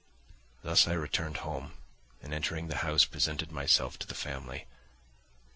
Thus I returned home, and entering the house, presented myself to the family.